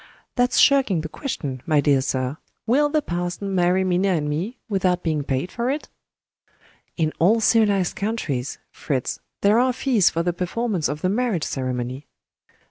"That's shirking the question, my dear sir! Will the parson marry Minna and me, without being paid for it?" "In all civilized countries, Fritz, there are fees for the performance of the marriage ceremony."